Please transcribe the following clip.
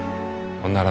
ほんなら。